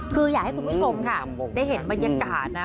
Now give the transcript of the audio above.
คืออยากให้คุณผู้ชมค่ะได้เห็นบรรยากาศนะ